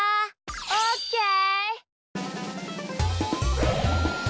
オッケー！